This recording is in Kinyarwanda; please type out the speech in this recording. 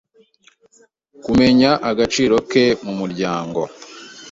kumenya agaciro ke mumuryango